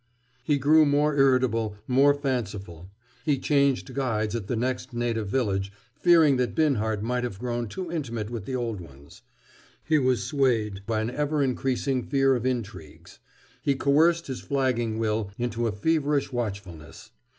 He grew more irritable, more fanciful. He changed guides at the next native village, fearing that Binhart might have grown too intimate with the old ones. He was swayed by an ever increasing fear of intrigues. He coerced his flagging will into a feverish watchfulness.